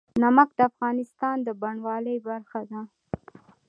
نمک د افغانستان د بڼوالۍ برخه ده.